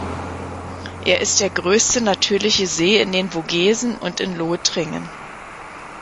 Er ist der größte natürliche See in den Vogesen und in Lothringen.